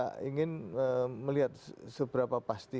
kita juga ingin melihat seberapa pasti